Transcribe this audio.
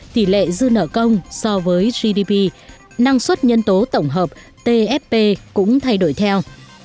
tỷ lệ dư nợ công so với gdp năng suất nhân tố tổng hợp tfp cũng thay đổi theo